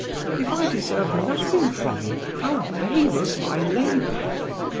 If I deserve nothing from you, how vain is my labor!